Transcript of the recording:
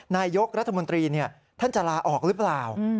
นายกรัฐมนตรีท่านจะลาออกหรือเปล่า